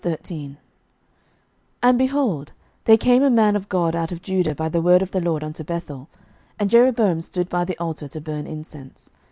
11:013:001 And, behold, there came a man of God out of Judah by the word of the LORD unto Bethel: and Jeroboam stood by the altar to burn incense.